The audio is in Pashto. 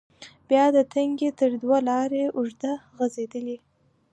بیا د تنگي تر دوه لارې اوږده غزیدلې،